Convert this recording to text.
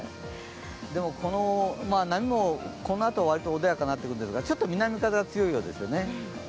この波も、このあとわりと穏やかになっていくんですが、ちょっと南風が強いようですね。